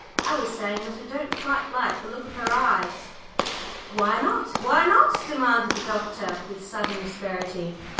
"I was saying that I don't quite like the look of her eyes." "Why not? Why not?" demanded the doctor with sudden asperity.